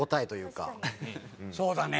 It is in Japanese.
そうだね。